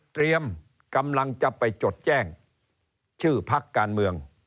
กำลังจะไปจดแจ้งชื่อพักการเมือง